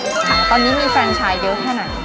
ถามตอนนี้มีแฟนชายเยอะแค่ไหน